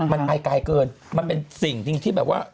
มันอายกายเกินมันเป็นสิ่งที่แบบว่า